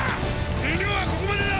燃料はここまでだ！！